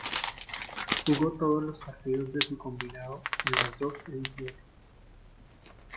Jugó todos los partidos de su combinado en las dos ediciones.